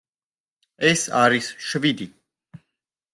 ეს არის შვიდი.